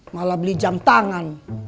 malah beli jam tangan